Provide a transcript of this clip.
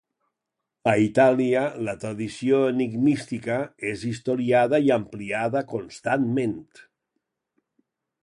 A Itàlia, la tradició enigmística és historiada i ampliada constantment.